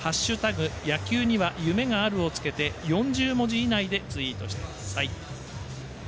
野球には夢がある」をつけて４０文字以内でツイートしてください。